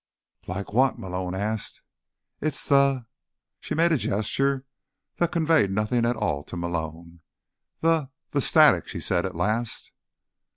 "Like what?" Malone asked. "It's the—" She made a gesture that conveyed nothing at all to Malone. "The—the static," she said at last.